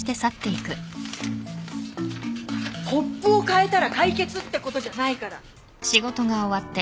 ポップをかえたら解決ってことじゃないから。